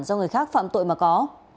do người khác phạm tội mà có